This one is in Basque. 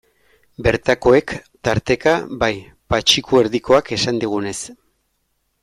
Bertakoek, tarteka, bai, Patxiku Erdikoak esan digunez.